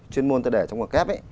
chuyên môn tôi để trong quả kép ấy